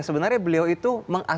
sebenarnya beliau itu